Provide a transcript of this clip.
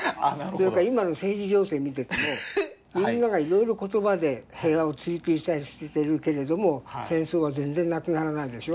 それか今の政治情勢見ててもみんながいろいろ言葉で平和を追求したりしてるけれども戦争は全然なくならないでしょ。